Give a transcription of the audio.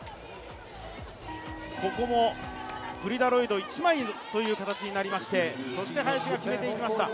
ここもプリ・ダロイト一枚という形になりましてそして林が決めていきました。